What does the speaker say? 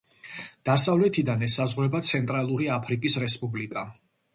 დასავლეთიდან ესაზღვრება ცენტრალური აფრიკის რესპუბლიკა.